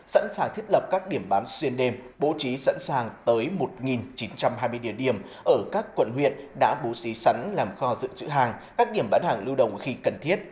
sẵn sàng thiết lập các điểm bán xuyên đêm bố trí sẵn sàng tới một chín trăm hai mươi địa điểm ở các quận huyện đã bố trí sẵn làm kho dự trữ hàng các điểm bán hàng lưu đồng khi cần thiết